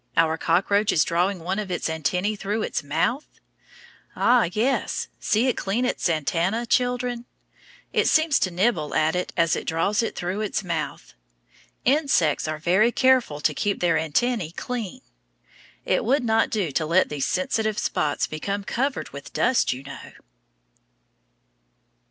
Our cockroach is drawing one of its antennæ through its mouth? Ah, yes, see it clean its antenna, children. It seems to nibble at it as it draws it through its mouth. Insects are very careful to keep their antennæ clean. It would not do to let these sensitive spots become covered with dust, you know.